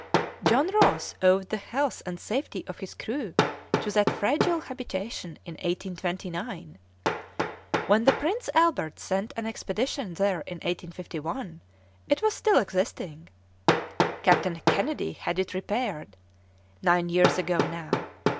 John Ross owed the health and safety of his crew to that fragile habitation in 1829. When the Prince Albert sent an expedition there in 1851, it was still existing; Captain Kennedy had it repaired, nine years ago now.